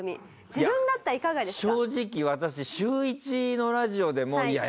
自分だったらいかがですか？